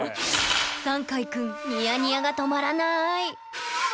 さんかいくんニヤニヤが止まらない！